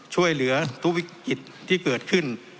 ช่วยเหลือทุกวิกฤตที่เกิดขึ้น